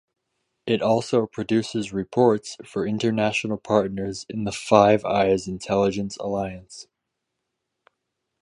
It also produces reports for international partners in the Five Eyes intelligence alliance.